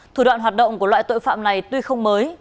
thủ đoạn hoạt động của loại tội phạm này tuy không mới